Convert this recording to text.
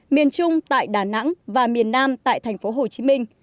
miền trung tại đà nẵng và miền nam tại tp hcm